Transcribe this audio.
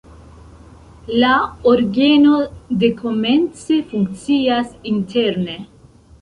La orgeno dekomence funkcias interne.